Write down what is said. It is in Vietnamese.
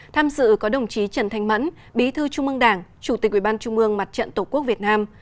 tham dự có đồng chí trần thanh mẫn bí thư trung mương đảng chủ tịch ubnd mặt trận tổ quốc việt nam